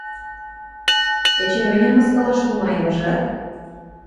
Эче мӹньӹм мыскылаш тумая, ыжат...